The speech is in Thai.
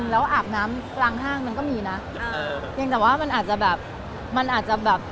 แล้วทั้งสองนะเขาก็มีนะแต่มันอาจจะแบบ